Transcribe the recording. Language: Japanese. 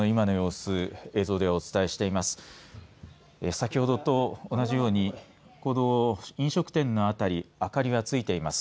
先ほどと同じように飲食店の辺り明かりはついています。